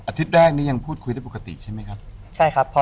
อาทิตย์แรกนี้ยังพูดคุยได้ปกติใช่ไหมครับใช่ครับ